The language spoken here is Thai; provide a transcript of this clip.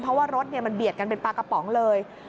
เพราะว่ารถมันเบียดกันเป็นปลากระป๋องเลย